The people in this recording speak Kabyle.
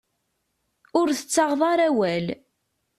Ur tettaɣeḍ ara awal.